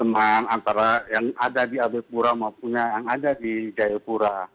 semang antara yang ada di abelpura maupun yang ada di jayapura